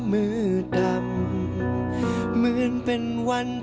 มีต่อประสบกันที่ก่อนทั่วทั้งแผ่นดินค่ะ